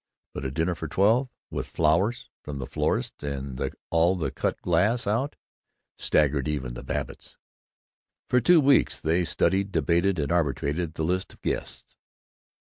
But a dinner of twelve, with flowers from the florist's and all the cut glass out, staggered even the Babbitts. For two weeks they studied, debated, and arbitrated the list of guests.